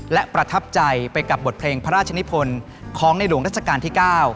และประทับใจไปกับบทเพลงพระราชนิพลของในหลวงรัชกาลที่๙